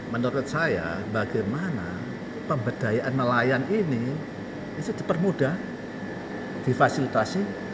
menurut saya bagaimana pemberdayaan nelayan ini itu dipermudah difasilitasi